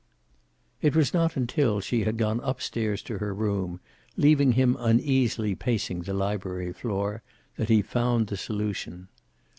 It was not until she had gone up stairs to her room, leaving him uneasily pacing the library floor, that he found the solution.